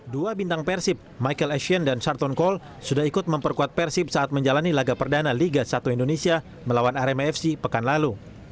dua bintang persib michael asien dan karten kohl sudah ikut memperkuat persib saat menjalani laga perdana liga satu indonesia melawan rmfc pekan lalu